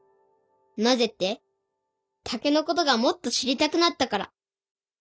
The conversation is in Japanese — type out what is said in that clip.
なぜって竹のことがもっと知りたくなったから。